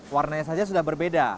warnanya saja sudah berbeda